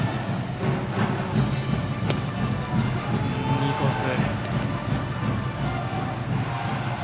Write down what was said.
いいコース。